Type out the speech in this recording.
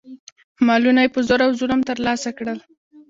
مالونه یې په زور او ظلم ترلاسه کړل.